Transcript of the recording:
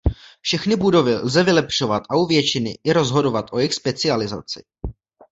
Všechny budovy lze vylepšovat a u většiny i rozhodovat o jejich specializaci.